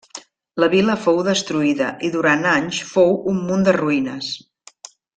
La vila fou destruïda i durant anys fou un munt de ruïnes.